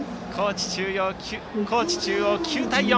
高知中央、９対４。